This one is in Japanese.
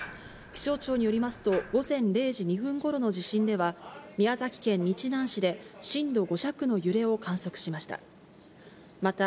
気象庁によりますと、午前０時２分ごろの地震では、宮崎県日南市で震度５弱の揺れを観測しました。